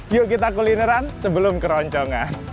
yuk kita kulineran sebelum keroncongan